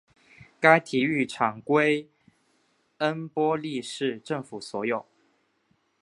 该体育场归恩波利市政府所有。